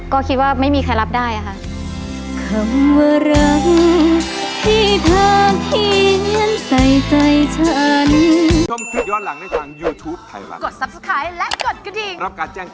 ก็คิดว่าไม่มีใครรับได้ค่ะ